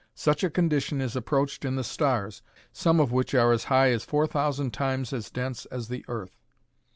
Such a condition is approached in the stars, some of which are as high as four thousand times as dense as the earth.